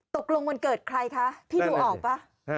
ตกลงวันเกิดใครคะพี่ดูออกป่ะ